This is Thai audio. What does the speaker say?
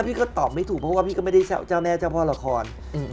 พี่ก็ตอบไม่ถูกเพราะว่าพี่ก็ไม่ได้เจ้าแม่เจ้าพ่อละคร